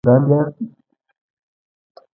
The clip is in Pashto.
پلورنځی د اقتصاد یوه مهمه برخه ده.